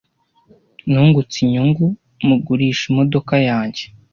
Nungutse inyungu mugurisha imodoka yanjye.